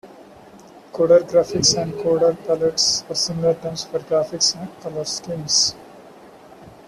"Coder graphics" and "coder palettes" are similar terms for graphics and color schemes.